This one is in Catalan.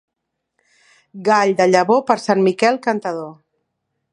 Gall de llavor, per Sant Miquel cantador.